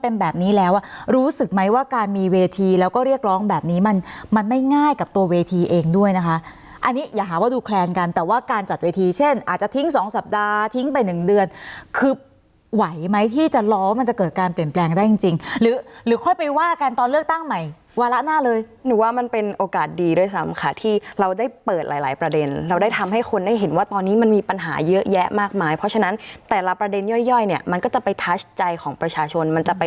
เป็นแบบนี้แล้วอ่ะรู้สึกไหมว่าการมีเวทีแล้วก็เรียกร้องแบบนี้มันมันไม่ง่ายกับตัวเวทีเองด้วยนะคะอันนี้อย่าหาว่าดูแคลนกันแต่ว่าการจัดเวทีเช่นอาจจะทิ้งสองสัปดาห์ทิ้งไปหนึ่งเดือนคือไหวไหมที่จะรอมันจะเกิดการเปลี่ยนแปลงได้จริงจริงหรือหรือค่อยไปว่ากันตอนเลือกตั้งใหม่วาระหน้า